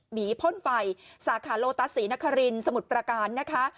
พ่นไฟสาขาโลตัสศรีนครินสมุทรประการนะคะ